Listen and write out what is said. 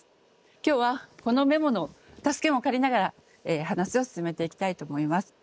今日はこのメモの助けも借りながら話を進めていきたいと思います。